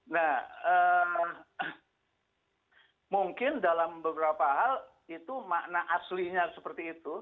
nah mungkin dalam beberapa hal itu makna aslinya seperti itu